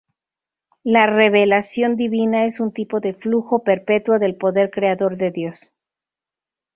La revelación divina es un tipo de flujo perpetuo del poder creador de Dios.